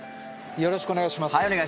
よろしくお願いします。